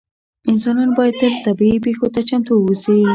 انسانان باید تل طبیعي پېښو ته چمتو اووسي.